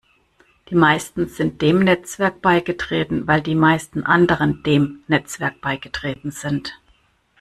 Die meisten sind dem Netzwerk beigetreten, weil die meisten anderen dem Netzwerk beigetreten sind.